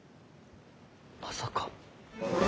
まさか。